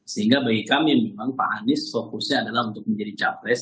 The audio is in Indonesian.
sehingga bagi kami memang pak anies fokusnya adalah untuk menjadi capres